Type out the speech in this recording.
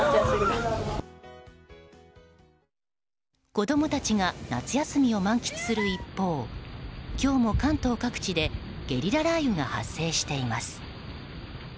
子供たちが夏休みを満喫する一方今日も関東各地でゲリラ雷雨が発生しています。